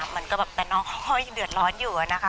เหมือนก็แบบแต่น้องค่อยเดือดร้อนอยู่นะคะ